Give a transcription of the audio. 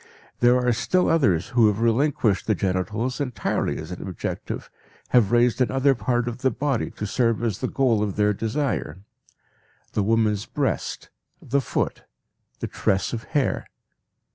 There are still others who have relinquished the genitals entirely as an objective, have raised another part of the body to serve as the goal of their desire; the woman's breast, the foot, the tress of hair.